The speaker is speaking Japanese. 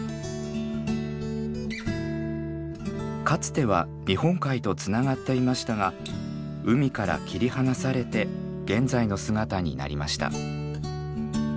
かつては日本海とつながっていましたが海から切り離されて現在の姿になりました。